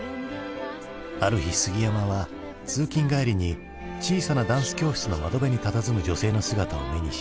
ある日杉山は通勤帰りに小さなダンス教室の窓辺にたたずむ女性の姿を目にし心動かされる。